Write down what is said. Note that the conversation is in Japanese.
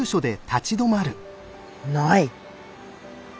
ない！